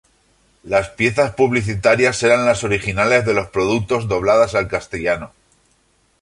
Las piezas publicitarias eran las originales de los productos dobladas al castellano.